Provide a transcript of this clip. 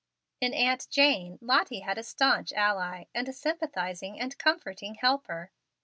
In Aunt Jane, Lottie had a stanch ally, and a sympathizing and comforting helper.